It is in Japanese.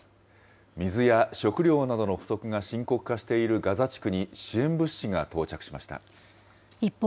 水や食料などの不足が深刻化しているガザ地区に支援物資が到着し一方